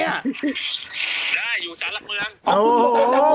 ได้อยู่ชาติหลักเมือง